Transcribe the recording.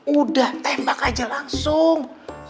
udah tembak aja langsung